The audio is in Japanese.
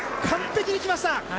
完璧に来ました。